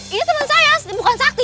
ini temen saya bukan sakti